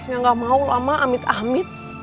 ya gak mau lah mak amit amit